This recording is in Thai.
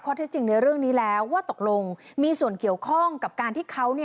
ที่จริงในเรื่องนี้แล้วว่าตกลงมีส่วนเกี่ยวข้องกับการที่เขา